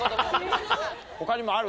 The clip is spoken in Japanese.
他にもある？